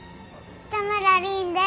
多村凛です。